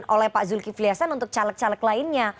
oleh pak zulkifli hasan untuk caleg caleg lainnya